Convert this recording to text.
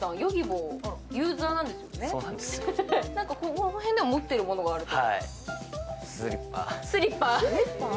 この辺でも持っているものがあると？